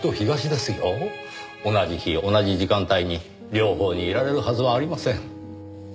同じ日同じ時間帯に両方にいられるはずはありません。